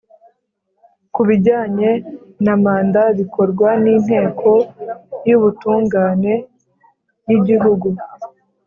ku bijyanye na manda bikorwa n Inteko y Ubutungane y Igihugu